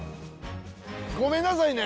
ごめんなさいね！